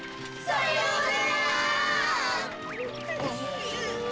さようなら！